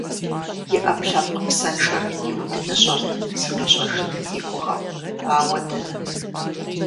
И ӏэпкълъэпкъ псэншэр иудыныщӏэрт, зыкъищӏэжын и гугъэу. Ауэ дэнэт…